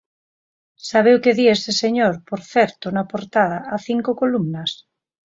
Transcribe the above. ¿Sabe o que di este señor, por certo, na portada, a cinco columnas?